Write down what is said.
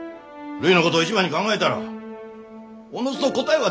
るいのことを一番に考えたらおのずと答えは出るじゃろうが！